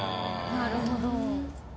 なるほど。